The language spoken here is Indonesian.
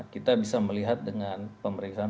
kita bisa melihat dengan pemeriksaan